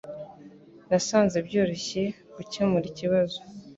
Nasanze byoroshye gukemura ikibazo.